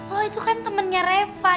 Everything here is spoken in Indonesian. oh itu kan temennya reva